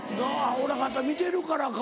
俺やっぱ見てるからか。